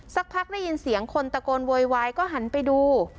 สักพักได้ยินเสียงคนตะโกนโวยวายก็หันไปดู